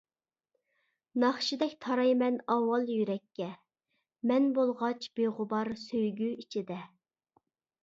ناخشىدەك تارايمەن ئاۋۋال يۈرەككە، مەن بولغاچ بىغۇبار سۆيگۈ ئىچىدە.